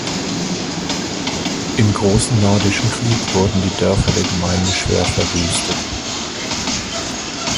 Im Großen Nordischen Krieg wurden die Dörfer der Gemeinde schwer verwüstet.